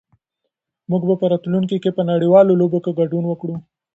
موږ به په راتلونکي کې په نړيوالو لوبو کې ګډون وکړو.